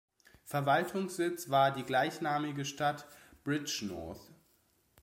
Verwaltungssitz war die gleichnamige Stadt Bridgnorth.